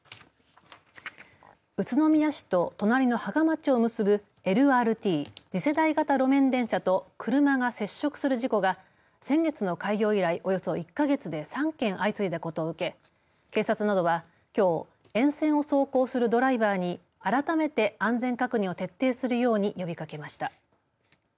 宇都宮市と隣の芳賀町を結ぶＬＲＴ次世代型路面電車と車が接触する事故が先月の開業以来およそ１か月で３件相次いだことを受け警察などはきょう沿線を走行するドライバーに改めて安全確認を徹底するように呼びかけました。